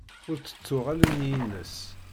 Ur tettuɣ allen-nni-ines.